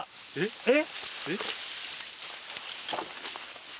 えっ？